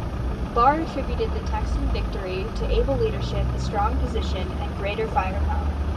Barr attributed the Texian victory to "able leadership, a strong position, and greater firepower".